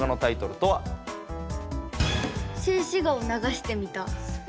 静止画をながしてみた。